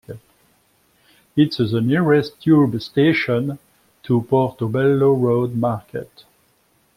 It is the nearest tube station to Portobello Road Market.